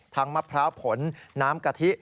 มะพร้าวผลน้ำกะทิ